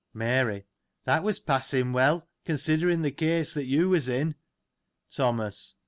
Mary That was passing well ; considering the case, that, you was in. Thomas.